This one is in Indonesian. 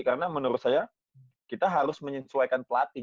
karena menurut saya kita harus menyesuaikan pelatih